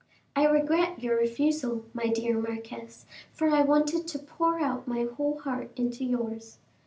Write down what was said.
"I regret your refusal, my dear marquise, for I wanted to pour out my whole heart into yours."